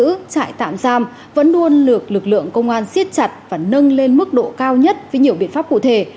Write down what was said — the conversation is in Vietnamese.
các trại tạm giam vẫn luôn được lực lượng công an siết chặt và nâng lên mức độ cao nhất với nhiều biện pháp cụ thể